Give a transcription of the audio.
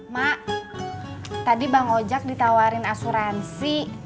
mak tadi bang ojek ditawarin asuransi